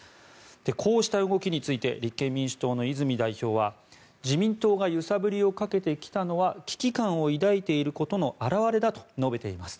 こうした動きについて立憲民主党の泉代表は自民党が揺さぶりをかけてきたのは危機感を抱いていることの表れだと述べています。